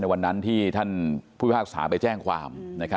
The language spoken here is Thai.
วันนั้นที่ท่านผู้พิพากษาไปแจ้งความ